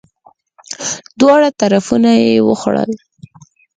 دواړه طرفونه یی وخوړل!